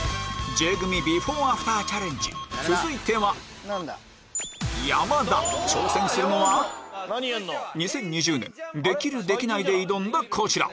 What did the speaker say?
Ｊ組ビフォーアフターチャレンジ続いては挑戦するのは２０２０年「できる？できない？」で挑んだこちら！